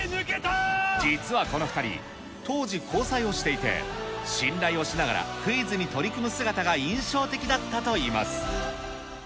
実はこの２人、当時、交際をしていて、信頼をしながらクイズに取り組む姿が印象的だったといいます。